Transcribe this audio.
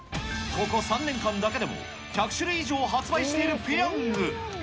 ここ３年間だけでも、１００種類以上発売しているペヤング。